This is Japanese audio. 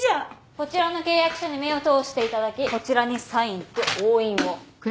こちらの契約書に目を通していただきこちらにサインと押印を。